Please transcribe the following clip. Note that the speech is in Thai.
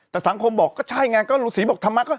แต่สังคมบอกก็ใช่ไงก็ฤาษีบอกธรรมะ